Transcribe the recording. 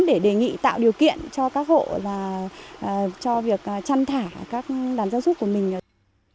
để đề nghị tạo điều kiện cho các hộ cho việc chăn thả các đàn gia súc của mình